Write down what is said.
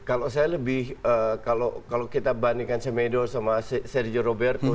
kalau saya lebih kalau kita bandingkan semedo sama sergio roberto